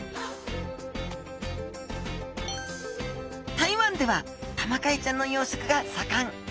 台湾ではタマカイちゃんの養殖がさかん。